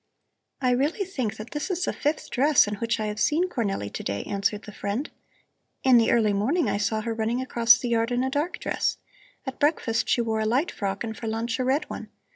"I really think that this is the fifth dress in which I have seen Cornelli to day," answered the friend. "In the early morning I saw her running across the yard in a dark dress. At breakfast she wore a light frock and for lunch a red one.